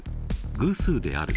「偶数である」